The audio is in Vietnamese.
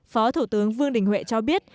phó thủ tướng vương đình huệ cho biết